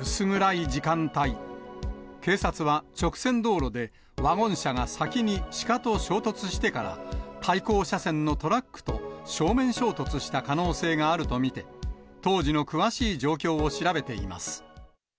薄暗い時間帯、警察は、直線道路でワゴン車が先にシカと衝突してから、対向車線のトラックと正面衝突した可能性があると見て、当時の詳しい状況を調べています。